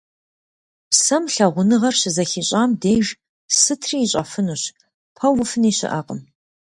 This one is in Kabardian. Псэм лъагъуныгъэр щызэхищӏам деж сытри ищӏэфынущ, пэувыфыни щыӏэкъым…